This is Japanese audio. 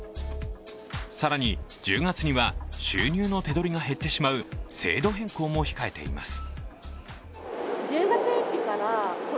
更に１０月には、収入の手取りが減ってしまう制度変更も控えています。